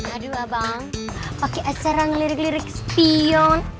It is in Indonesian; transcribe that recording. aduh abang pakai acara ngelirik lirik spion